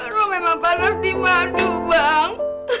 aduh memang panas di madu bang